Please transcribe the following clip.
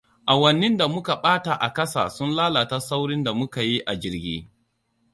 Awannin da muka ɓata a ƙasa sun lalata saurin da muka yi a jirgi.